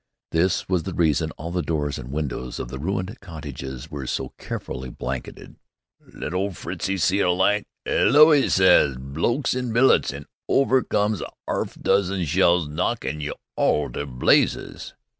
This was the reason all the doors and windows of the ruined cottages were so carefully blanketed. "Let old Fritzie see a light, ''Ello!' 'e says, 'blokes in billets!' an' over comes a 'arf dozen shells knockin' you all to blazes."